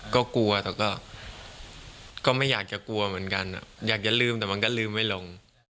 ก็กลัวแต่ก็ไม่อยากจะกลัวเหมือนกันอยากจะลืมแต่มันก็ลืมไม่ลง